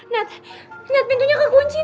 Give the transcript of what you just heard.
nat nat pintunya kekunci nat